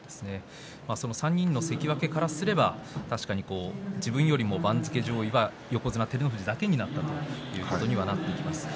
３人の関脇からすれば自分よりも番付上位は横綱照ノ富士だけになったということになります。